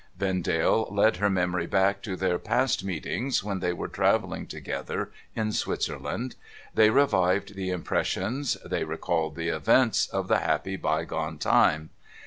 Vendale led her memory back to their past meetings when they were travelling together in Switzerland. They revived the im pressions, they recalled the events, of the happy bygone time.